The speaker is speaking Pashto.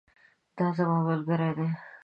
دا زما ملګری دی